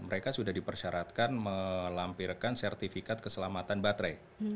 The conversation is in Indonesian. mereka sudah dipersyaratkan melampirkan sertifikat keselamatan baterai